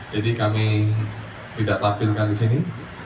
jadi kami tidak tampilkan di sini